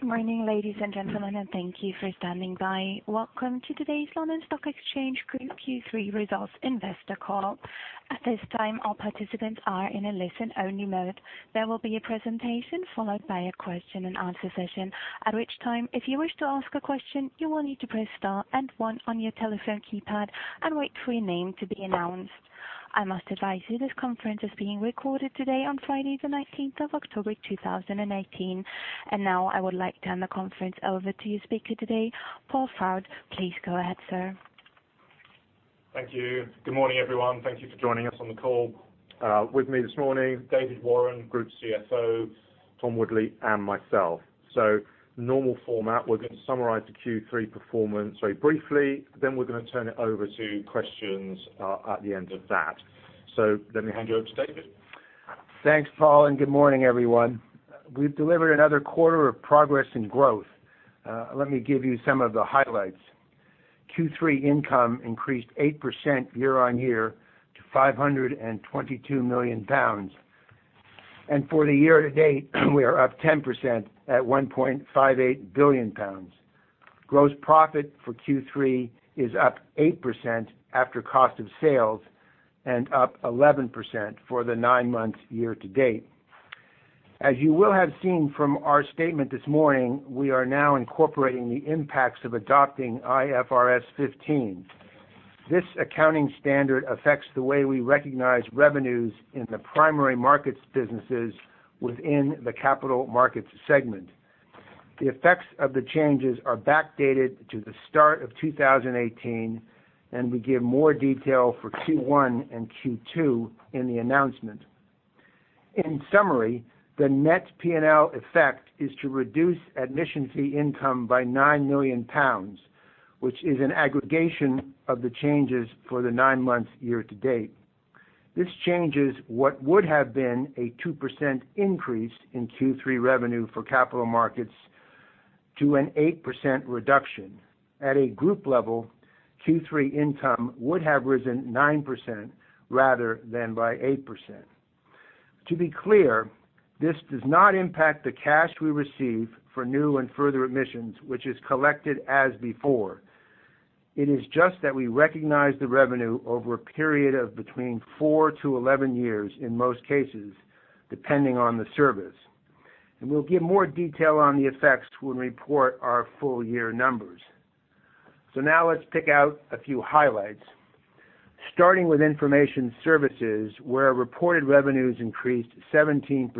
Good morning, ladies and gentlemen, and thank you for standing by. Welcome to today's London Stock Exchange Group Q3 Results investor call. At this time, all participants are in a listen-only mode. There will be a presentation, followed by a question and answer session. At which time, if you wish to ask a question, you will need to press star and one on your telephone keypad and wait for your name to be announced. I must advise you this conference is being recorded today on Friday the 19th of October, 2019. Now I would like to hand the conference over to your speaker today, Paul Froud. Please go ahead, sir. Thank you. Good morning, everyone. Thank you for joining us on the call. With me this morning, David Warren, Group CFO, Tom Woodley, and myself. Normal format. We're going to summarize the Q3 performance very briefly. We're going to turn it over to questions at the end of that. Let me hand you over to David. Thanks, Paul, good morning, everyone. We've delivered another quarter of progress and growth. Let me give you some of the highlights. Q3 income increased 8% year-on-year to 522 million pounds. For the year-to-date, we are up 10% at 1.58 billion pounds. Gross profit for Q3 is up 8% after cost of sales and up 11% for the nine months year-to-date. As you will have seen from our statement this morning, we are now incorporating the impacts of adopting IFRS 15. This accounting standard affects the way we recognize revenues in the primary markets businesses within the capital markets segment. The effects of the changes are backdated to the start of 2018, we give more detail for Q1 and Q2 in the announcement. In summary, the net P&L effect is to reduce admission fee income by 9 million pounds, which is an aggregation of the changes for the nine months year-to-date. This changes what would have been a 2% increase in Q3 revenue for capital markets to an 8% reduction. At a group level, Q3 income would have risen 9% rather than by 8%. To be clear, this does not impact the cash we receive for new and further admissions, which is collected as before. It is just that we recognize the revenue over a period of between four to 11 years in most cases, depending on the service. We'll give more detail on the effects when we report our full-year numbers. Now let's pick out a few highlights. Starting with information services, where reported revenues increased 17%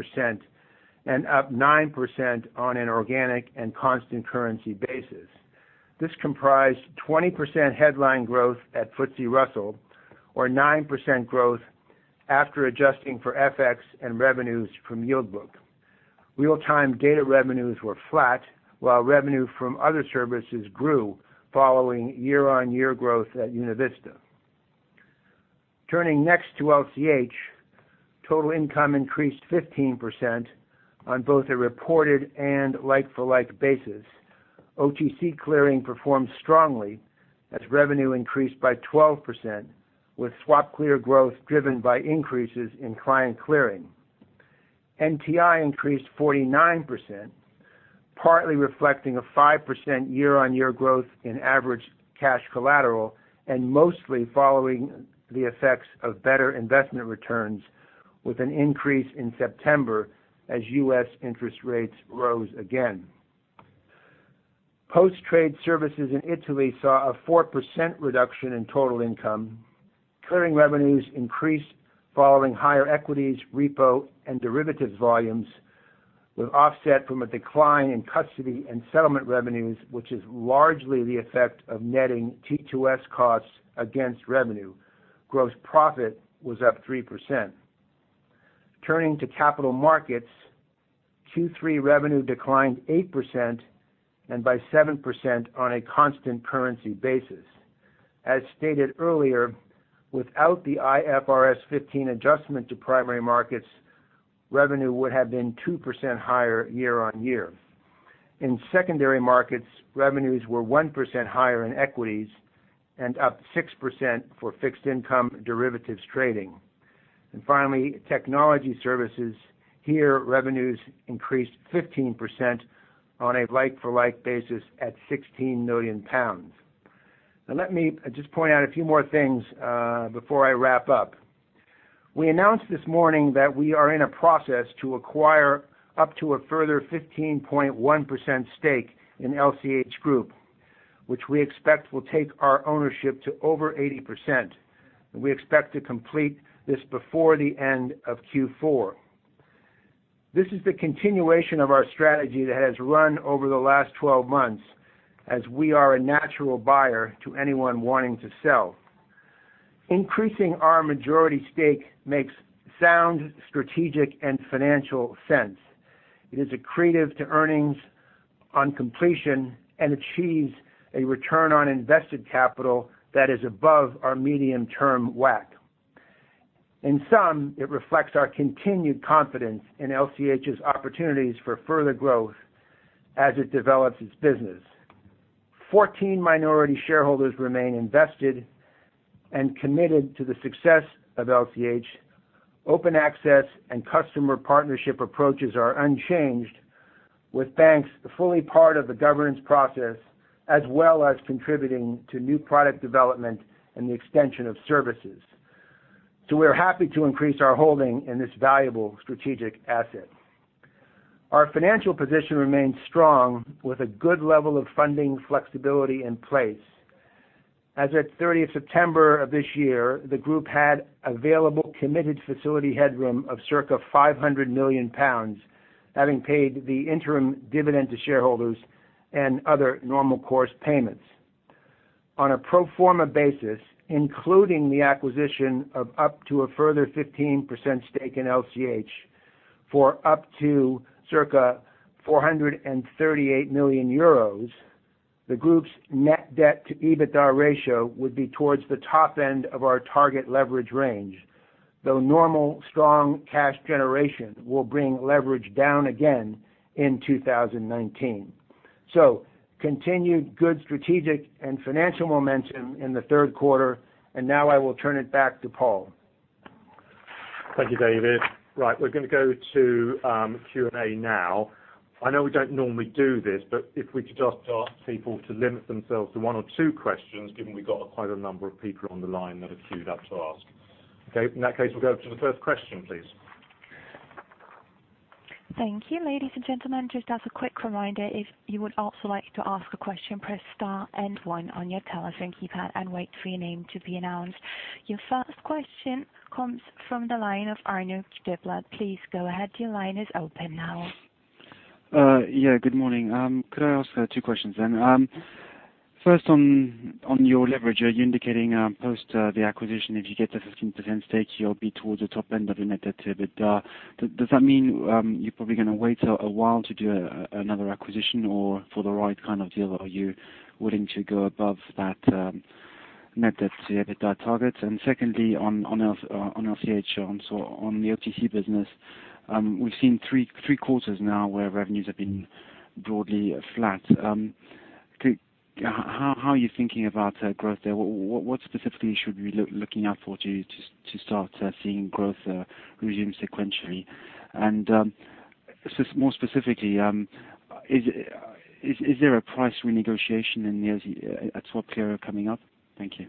and up 9% on an organic and constant currency basis. This comprised 20% headline growth at FTSE Russell, or 9% growth after adjusting for FX and revenues from Yield Book. Real-time data revenues were flat, while revenue from other services grew following year-on-year growth at UnaVista. Turning next to LCH, total income increased 15% on both a reported and like-for-like basis. OTC clearing performed strongly as revenue increased by 12%, with SwapClear growth driven by increases in client clearing. NTI increased 49%, partly reflecting a 5% year-on-year growth in average cash collateral and mostly following the effects of better investment returns with an increase in September as U.S. interest rates rose again. Post-trade services in Italy saw a 4% reduction in total income. Clearing revenues increased following higher equities, repo, and derivatives volumes, with offset from a decline in custody and settlement revenues, which is largely the effect of netting T2S costs against revenue. Gross profit was up 3%. Turning to capital markets, Q3 revenue declined 8% and by 7% on a constant currency basis. As stated earlier, without the IFRS 15 adjustment to primary markets, revenue would have been 2% higher year-on-year. In secondary markets, revenues were 1% higher in equities and up 6% for fixed income derivatives trading. Finally, technology services. Here, revenues increased 15% on a like-for-like basis at 16 million pounds. Let me just point out a few more things before I wrap up. We announced this morning that we are in a process to acquire up to a further 15.1% stake in LCH Group, which we expect will take our ownership to over 80%. We expect to complete this before the end of Q4. This is the continuation of our strategy that has run over the last 12 months as we are a natural buyer to anyone wanting to sell. Increasing our majority stake makes sound strategic and financial sense. It is accretive to earnings on completion and achieves a return on invested capital that is above our medium-term WACC. In sum, it reflects our continued confidence in LCH's opportunities for further growth as it develops its business. 14 minority shareholders remain invested and committed to the success of LCH. Open access and customer partnership approaches are unchanged, with banks fully part of the governance process, as well as contributing to new product development and the extension of services. We're happy to increase our holding in this valuable strategic asset. Our financial position remains strong with a good level of funding flexibility in place. As at 30th September of this year, the group had available committed facility headroom of circa 500 million pounds, having paid the interim dividend to shareholders and other normal course payments. On a pro forma basis, including the acquisition of up to a further 15% stake in LCH, for up to circa 438 million euros, the group's net debt to EBITDA ratio would be towards the top end of our target leverage range, though normal strong cash generation will bring leverage down again in 2019. Continued good strategic and financial momentum in the third quarter, and now I will turn it back to Paul. Thank you, David. Right. We're going to go to Q&A now. I know we don't normally do this, but if we could just ask people to limit themselves to one or two questions, given we got quite a number of people on the line that have queued up to ask. Okay, in that case, we'll go to the first question, please. Thank you. Ladies and gentlemen, just as a quick reminder, if you would also like to ask a question, press star and one on your telephone keypad and wait for your name to be announced. Your first question comes from the line of Arnaud Giblat. Please go ahead, your line is open now. Yeah, good morning. Could I ask two questions? First on your leverage, are you indicating, post the acquisition, if you get the 15% stake, you'll be towards the top end of the net debt to EBITDA. Does that mean you're probably going to wait a while to do another acquisition or for the right kind of deal? Are you willing to go above that net debt to EBITDA target? Secondly, on LCH, on the OTC business. We've seen three quarters now where revenues have been broadly flat. How are you thinking about growth there? What specifically should we be looking out for to start seeing growth resume sequentially? More specifically, is there a price renegotiation at SwapClear coming up? Thank you.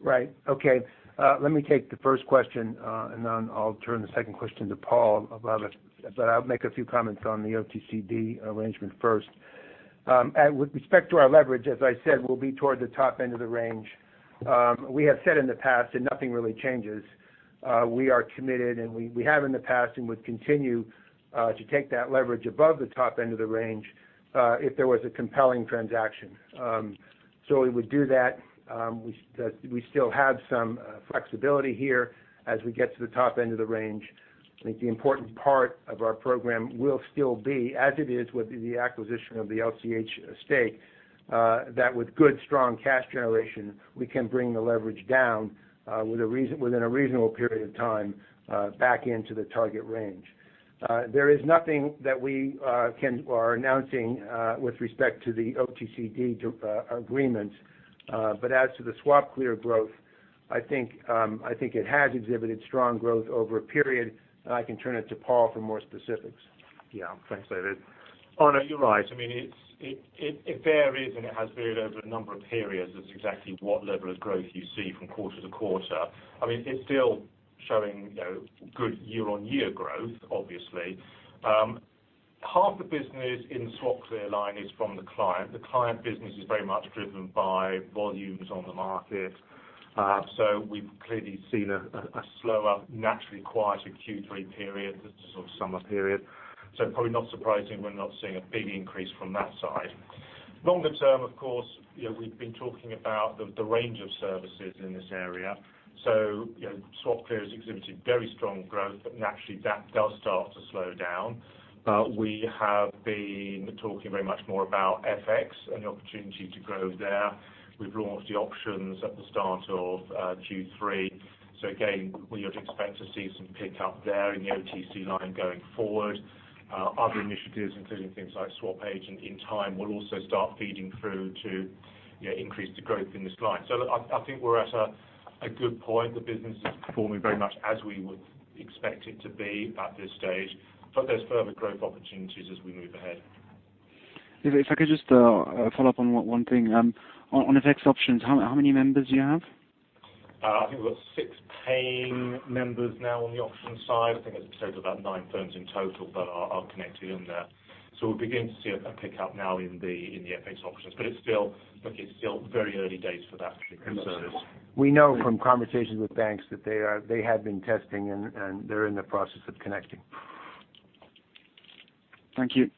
Right. Okay. Let me take the first question, I'll turn the second question to Paul about it. I'll make a few comments on the OTC arrangement first. With respect to our leverage, as I said, we'll be toward the top end of the range. We have said in the past, nothing really changes, we are committed, we have in the past and would continue, to take that leverage above the top end of the range, if there was a compelling transaction. We would do that. We still have some flexibility here as we get to the top end of the range. I think the important part of our program will still be, as it is with the acquisition of the LCH stake, that with good, strong cash generation, we can bring the leverage down, within a reasonable period of time, back into the target range. There is nothing that we are announcing with respect to the OTC agreements. As to the SwapClear growth, I think it has exhibited strong growth over a period, and I can turn it to Paul for more specifics. Yeah. Thanks, David. Arnaud, you're right. It varies and it has varied over a number of periods as to exactly what level of growth you see from quarter to quarter. It's still showing good year-on-year growth, obviously. Half the business in SwapClear line is from the client. The client business is very much driven by volumes on the market. We've clearly seen a slower, naturally quieter Q3 period. This is our summer period. Probably not surprising we're not seeing a big increase from that side. Longer term, of course, we've been talking about the range of services in this area. SwapClear has exhibited very strong growth, but naturally that does start to slow down. We have been talking very much more about FX and the opportunity to grow there. We've launched the options at the start of Q3. Again, we would expect to see some pickup there in the OTC line going forward. Other initiatives, including things like SwapAgent in time, will also start feeding through to increase the growth in this line. I think we're at a good point. The business is performing very much as we would expect it to be at this stage, but there's further growth opportunities as we move ahead. If I could just follow up on one thing. On FX options, how many members do you have? I think we've got six paying members now on the options side. I think, as I said, about nine firms in total that are connected in there. We'll begin to see a pickup now in the FX options. It's still very early days for that. We know from conversations with banks that they had been testing. They're in the process of connecting. Thank you.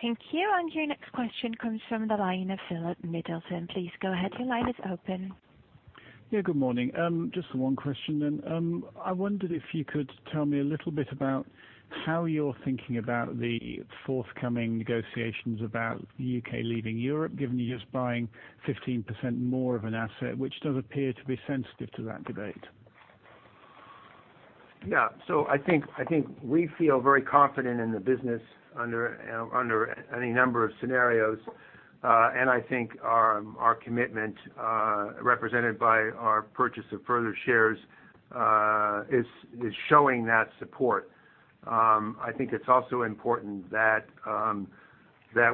Thank you. Your next question comes from the line of Philip Middleton. Please go ahead. Your line is open. Good morning. Just one question. I wondered if you could tell me a little bit about how you're thinking about the forthcoming negotiations about the U.K. leaving Europe, given you're just buying 15% more of an asset, which does appear to be sensitive to that debate. I think we feel very confident in the business under any number of scenarios. I think our commitment, represented by our purchase of further shares, is showing that support. I think it's also important that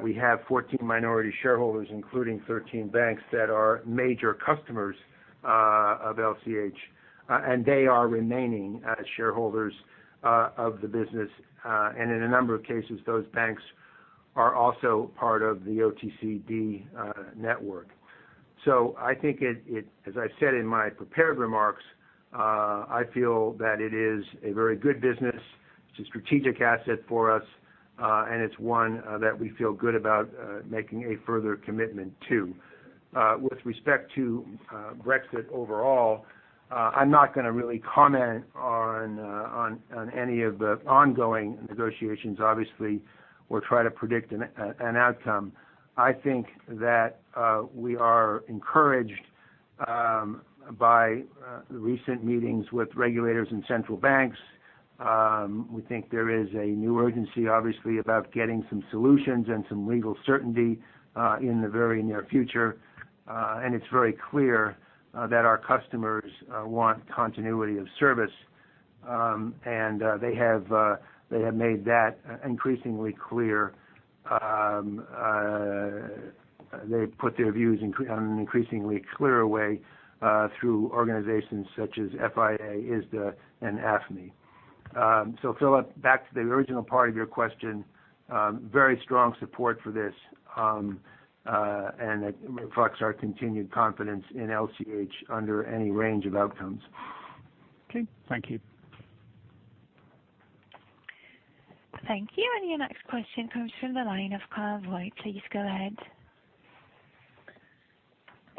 we have 14 minority shareholders, including 13 banks that are major customers of LCH, and they are remaining as shareholders of the business. In a number of cases, those banks are also part of the OTC network. I think, as I said in my prepared remarks, I feel that it is a very good business, it's a strategic asset for us, and it's one that we feel good about making a further commitment to. With respect to Brexit overall, I'm not going to really comment on any of the ongoing negotiations, obviously, or try to predict an outcome. I think that we are encouraged by recent meetings with regulators and central banks. We think there is a new urgency, obviously, about getting some solutions and some legal certainty in the very near future. It's very clear that our customers want continuity of service. They have made that increasingly clear. They put their views on an increasingly clearer way through organizations such as FIA, ISDA, and AFME. Philip, back to the original part of your question. Very strong support for this, and it reflects our continued confidence in LCH under any range of outcomes. Okay. Thank you. Thank you. Your next question comes from the line of Kyle White. Please go ahead.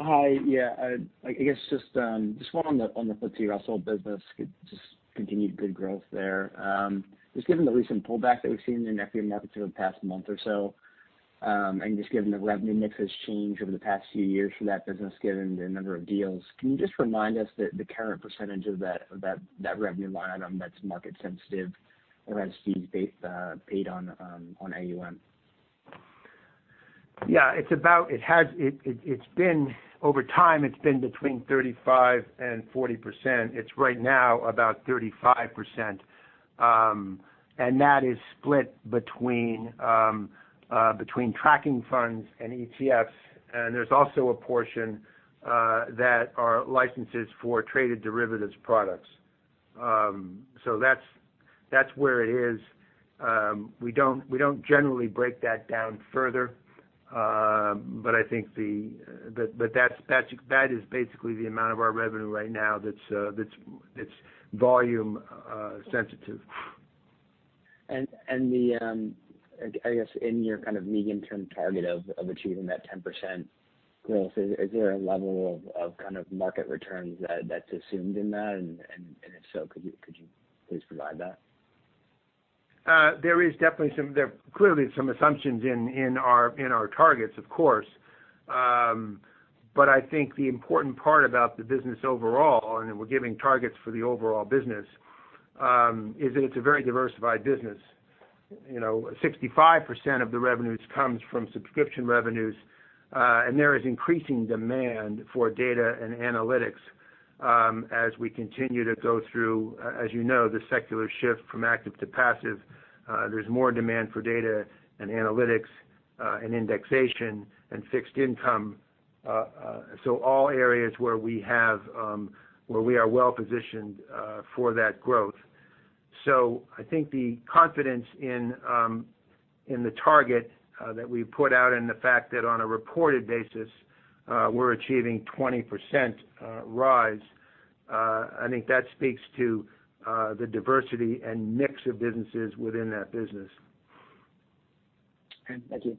Hi. Yeah. I guess just one on the FTSE Russell business. Just continued good growth there. Just given the recent pullback that we've seen in the ETF market over the past month or so, and just given the revenue mix has changed over the past few years for that business given the number of deals, can you just remind us the current percentage of that revenue line item that's market sensitive or fees paid on AUM? Yeah. Over time, it's been between 35% and 40%. It's right now about 35%, and that is split between tracking funds and ETFs. There's also a portion that are licenses for traded derivatives products. That's where it is. We don't generally break that down further. That is basically the amount of our revenue right now that's volume sensitive. I guess, in your kind of medium-term target of achieving that 10% growth, is there a level of kind of market returns that's assumed in that? If so, could you please provide that? There are clearly some assumptions in our targets, of course. I think the important part about the business overall, and we're giving targets for the overall business, is that it's a very diversified business. 65% of the revenues comes from subscription revenues, and there is increasing demand for data and analytics. As we continue to go through, as you know, the secular shift from active to passive, there's more demand for data and analytics, and indexation, and fixed income. All areas where we are well positioned for that growth. I think the confidence in the target that we put out and the fact that on a reported basis, we're achieving 20% rise, I think that speaks to the diversity and mix of businesses within that business. Okay. Thank you.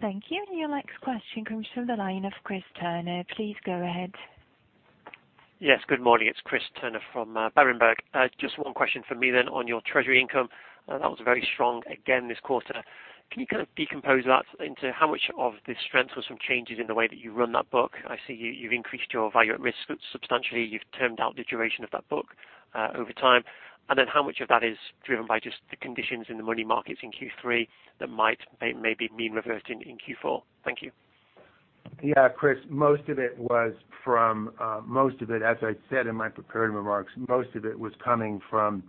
Thank you. Your next question comes from the line of Chris Turner. Please go ahead. Yes, good morning. It's Chris Turner from Berenberg. Just one question from me then on your treasury income. That was very strong again this quarter. Can you kind of decompose that into how much of the strength was from changes in the way that you run that book? I see you've increased your value at risk substantially. You've termed out the duration of that book over time. How much of that is driven by just the conditions in the money markets in Q3 that might maybe be reverting in Q4? Thank you. Yeah, Chris. As I said in my prepared remarks, most of it was coming from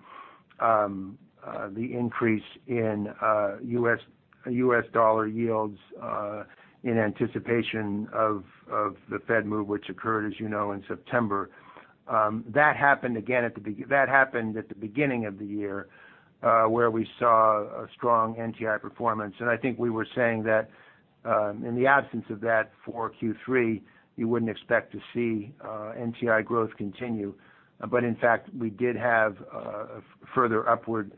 the increase in U.S. dollar yields in anticipation of the Fed move, which occurred, as you know, in September. That happened at the beginning of the year, where we saw a strong NTI performance. I think we were saying that in the absence of that for Q3, you wouldn't expect to see NTI growth continue. In fact, we did have further upward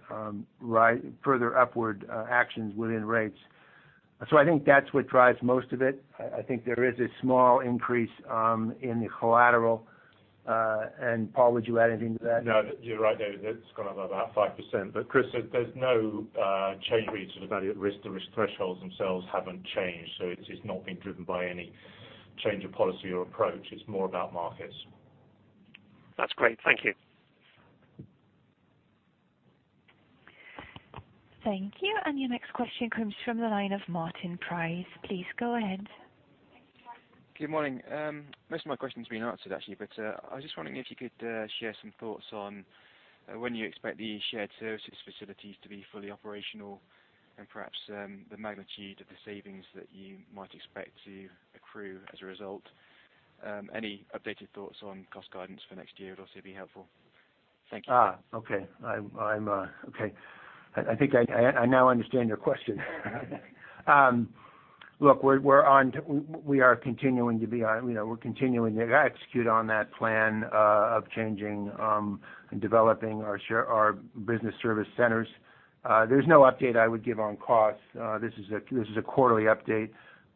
actions within rates. I think that's what drives most of it. I think there is a small increase in the collateral. Paul, would you add anything to that? No, you're right, David. It's gone up about 5%. Chris, there's no change really to the value at risk. The risk thresholds themselves haven't changed. It's not been driven by any change of policy or approach. It's more about markets. That's great. Thank you. Thank you. Your next question comes from the line of Martin Price. Please go ahead. Good morning. Most of my question's been answered, actually, but I was just wondering if you could share some thoughts on when you expect the shared services facilities to be fully operational, and perhaps the magnitude of the savings that you might expect to accrue as a result. Any updated thoughts on cost guidance for next year would also be helpful. Thank you. Okay. I think I now understand your question. Look, we're continuing to execute on that plan of changing and developing our business service centers. There's no update I would give on costs. This is a quarterly update.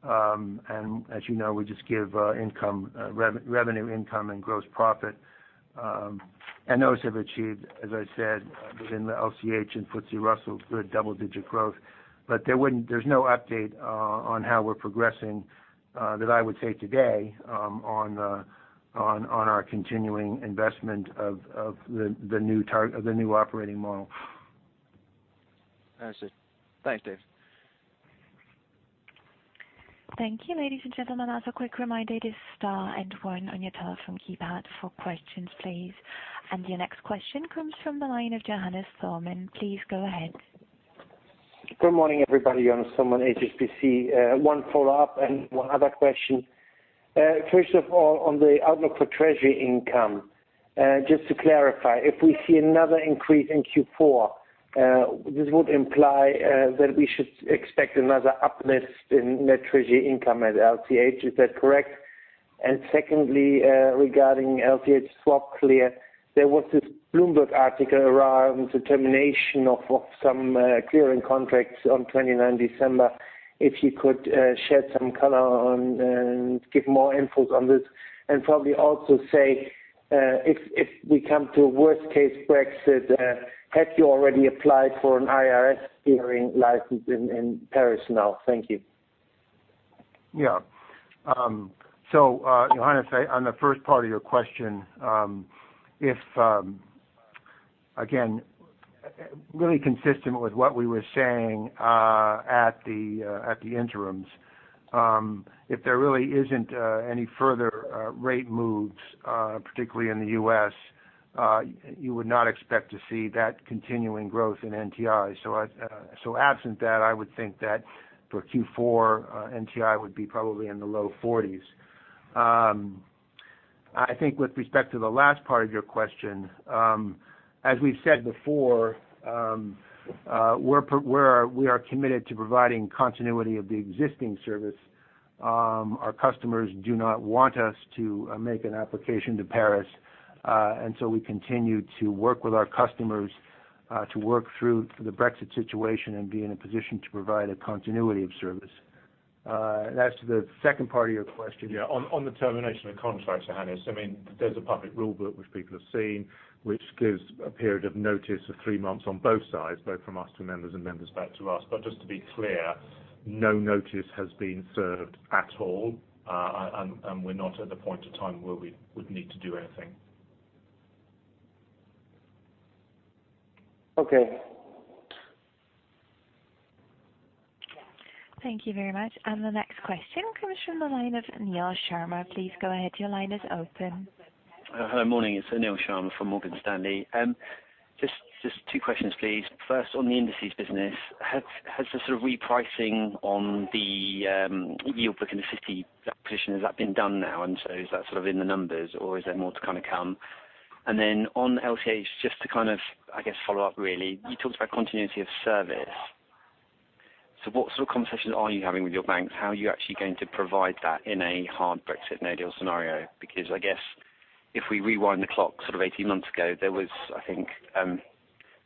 As you know, we just give revenue, income, and gross profit. Those have achieved, as I said, within the LCH and FTSE Russell, good double-digit growth. There's no update on how we're progressing that I would say today on our continuing investment of the new operating model. Understood. Thanks, Dave. Thank you, ladies and gentlemen. As a quick reminder, it is star and one on your telephone keypad for questions, please. Your next question comes from the line of Johannes Thormann. Please go ahead. Good morning, everybody. Johannes Thormann, HSBC. One follow-up and one other question. First of all, on the outlook for treasury income, just to clarify, if we see another increase in Q4, this would imply that we should expect another uplift in net treasury income at LCH. Is that correct? Secondly, regarding LCH SwapClear, there was this Bloomberg article around the termination of some clearing contracts on 29 December, if you could shed some color and give more input on this, and probably also say if we come to a worst-case Brexit, have you already applied for an IRS clearing license in Paris now? Thank you. Yeah. Johannes, on the first part of your question, again, really consistent with what we were saying at the interims. If there really isn't any further rate moves, particularly in the U.S., you would not expect to see that continuing growth in NTI. Absent that, I would think that for Q4, NTI would be probably in the low 40s. I think with respect to the last part of your question, as we've said before, we are committed to providing continuity of the existing service. Our customers do not want us to make an application to Paris. We continue to work with our customers to work through the Brexit situation and be in a position to provide a continuity of service. As to the second part of your question- Yeah, on the termination of contracts, Johannes, there's a public rule book which people have seen, which gives a period of notice of three months on both sides, both from us to members and members back to us. Just to be clear, no notice has been served at all, and we're not at the point of time where we would need to do anything. Okay. Thank you very much. The next question comes from the line of Anil Sharma. Please go ahead. Your line is open. Hello, morning. It's Anil Sharma from Morgan Stanley. Just two questions, please. First, on the indices business, has the sort of repricing on the Yield Book and the 50 position, has that been done now? Is that sort of in the numbers or is there more to kind of come? On LCH, just to kind of, I guess, follow up really, you talked about continuity of service. What sort of conversations are you having with your banks? How are you actually going to provide that in a hard Brexit, no-deal scenario? Because I guess if we rewind the clock sort of 18 months ago, there was, I think,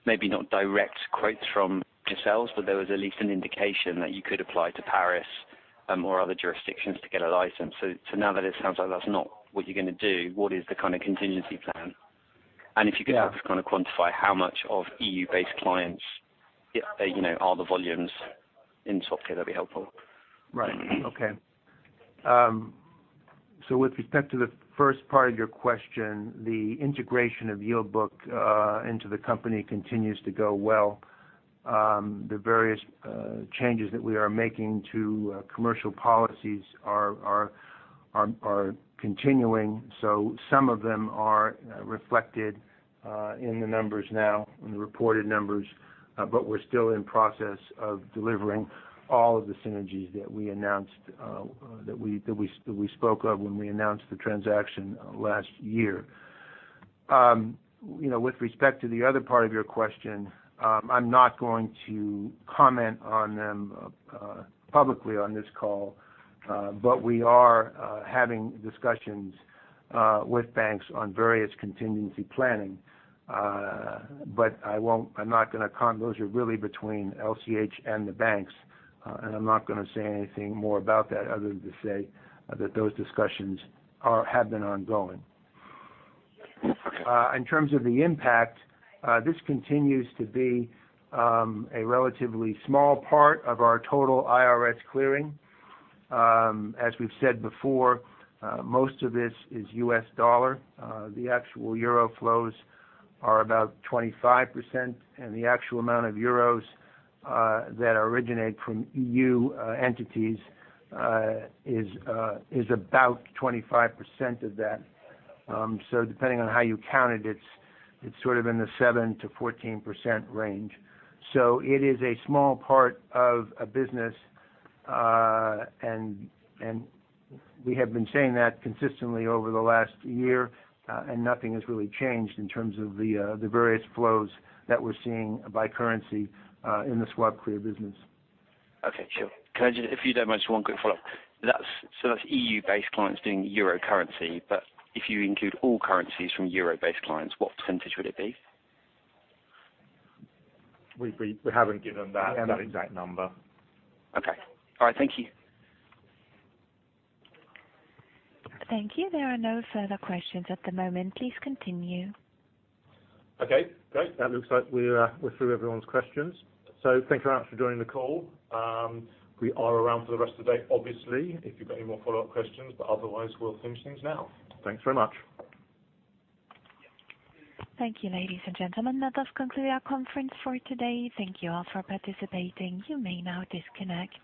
maybe not direct quotes from yourselves, but there was at least an indication that you could apply to Paris or other jurisdictions to get a license. Now that it sounds like that's not what you're going to do, what is the kind of contingency plan? If you could help- Yeah kind of quantify how much of EU-based clients are the volumes in SwapClear, that'd be helpful. Right. Okay. With respect to the first part of your question, the integration of Yield Book into the company continues to go well. The various changes that we are making to commercial policies are continuing. Some of them are reflected in the numbers now, in the reported numbers. We're still in process of delivering all of the synergies that we spoke of when we announced the transaction last year. With respect to the other part of your question, I'm not going to comment on them publicly on this call. We are having discussions with banks on various contingency planning. Those are really between LCH and the banks, and I'm not going to say anything more about that other than to say that those discussions have been ongoing. In terms of the impact, this continues to be a relatively small part of our total IRS clearing. As we've said before, most of this is US dollar. The actual euro flows are about 25%, the actual amount of euros that originate from EU entities is about 25% of that. Depending on how you count it's sort of in the 7%-14% range. It is a small part of a business, and we have been saying that consistently over the last year, and nothing has really changed in terms of the various flows that we're seeing by currency in the SwapClear business. Okay, sure. If you don't mind, just one quick follow-up. That's EU-based clients doing euro currency, but if you include all currencies from euro-based clients, what % would it be? We haven't given that exact number. Okay. All right. Thank you. Thank you. There are no further questions at the moment. Please continue. Okay, great. That looks like we're through everyone's questions. Thank you very much for joining the call. We are around for the rest of the day, obviously, if you've got any more follow-up questions. Otherwise, we'll finish things now. Thanks very much. Thank you, ladies and gentlemen. That does conclude our conference for today. Thank you all for participating. You may now disconnect.